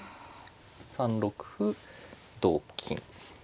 ３六歩同金。